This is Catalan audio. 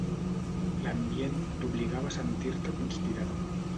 L'ambient t'obligava a sentir-te conspirador